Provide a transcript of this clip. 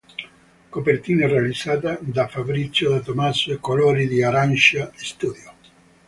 Copertine realizzate da Fabrizio De Tommaso e colori di Arancia Studio.